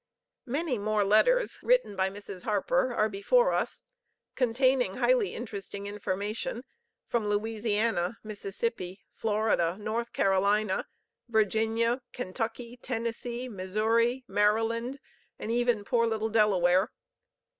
Many more letters written by Mrs. Harper are before us, containing highly interesting information from Louisiana, Mississippi, Florida, North Carolina, Virginia, Kentucky, Tennessee, Missouri, Maryland, and even poor little Delaware.